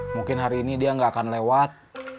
mungkin hari ini dia nggak akan lewat